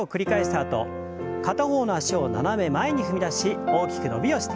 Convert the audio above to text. あと片方の脚を斜め前に踏み出し大きく伸びをして。